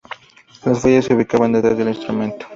Los fuelles se ubicaban detrás del instrumento.